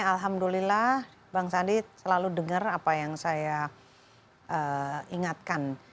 alhamdulillah bang sandi selalu dengar apa yang saya ingatkan